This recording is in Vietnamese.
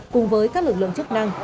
cùng với các lực lượng chức năng